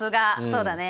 そうだね。